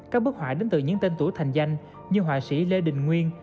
các bức họa đến từ những tên tuổi thành danh như họa sĩ lê đình nguyên